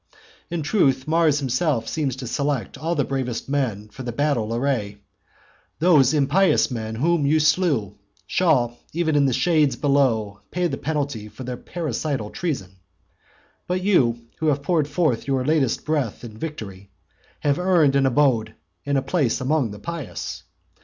In truth, Mars himself seems to select all the bravest men from the battle array. Those impious men whom you slew, shall even in the shades below pay the penalty of their parricidal treason. But you, who have poured forth your latest breath in victory, have earned an abode and place among the pious.